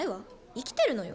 生きてるのよ。